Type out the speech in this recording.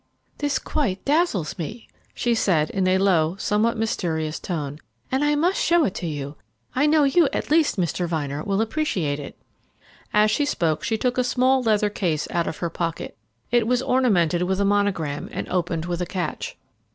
"This quite dazzles me," she said in a low, somewhat mysterious tone, "and I must show it to you. I know you at least, Mr. Vyner, will appreciate it." As she spoke she took a small leather case out of her pocket it was ornamented with a monogram, and opened with a catch.